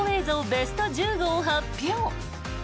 ベスト１５を発表！